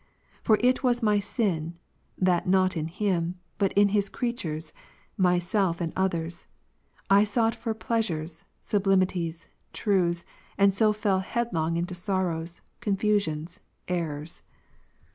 For it was my sin, that not in Him, but in His creatures — myself and others ^I sought for pleasures, sublimities, truths, and so fell head long into sorrows, confusions, errors.